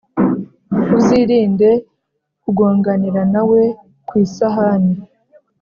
uzirinde kugonganira na we ku isahani.